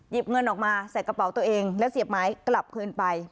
เงินออกมาใส่กระเป๋าตัวเองแล้วเสียบไม้กลับคืนไป